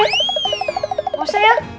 engga usah ya